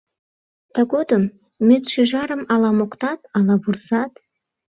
Тыгодым медшӱжарым ала моктат, ала вурсат: